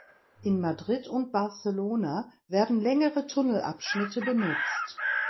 In Madrid und Barcelona werden längere Tunnelabschnitte benutzt.